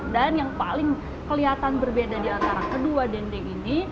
dan yang paling kelihatan berbeda di antara kedua dendeng ini